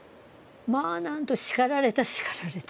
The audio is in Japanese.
まあ、なんと叱られた、叱られた。